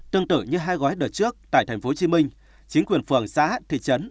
tương tự như hai gói đợt trước tại tp hcm chính quyền phường xã thị trấn